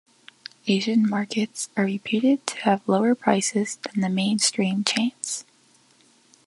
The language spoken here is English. Asian markets are reputed to have lower prices than the mainstream chains.